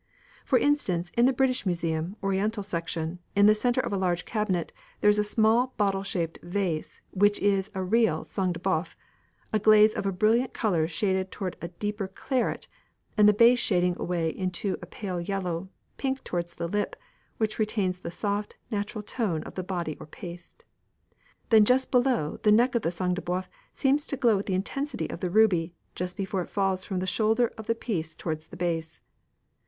For instance, in the British Museum, Oriental Section, in the centre of a large cabinet, there is a small bottle shaped vase which is a real "sang de b┼ōuf," a glaze of a brilliant colour shaded towards a deeper claret and the base shading away into a pale yellow, pink towards the lip, which retains the soft, natural tone of the body or paste. Then just below the neck the "sang de b┼ōuf" seems to glow with the intensity of the ruby, just before it falls from the shoulder of the piece towards the base.